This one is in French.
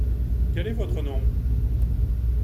Quel est votre nom ?